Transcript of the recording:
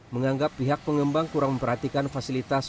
menganggap pihak pengembang kurang memperhatikan fasilitas